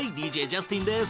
ＤＪジャスティンです！